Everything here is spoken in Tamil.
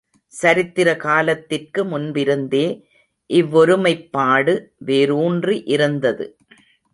சரித்திர காலத்திற்கு முன்பிருந்தே இவ்வொருமைப்பாடு வேரூன்றி இருந்தது.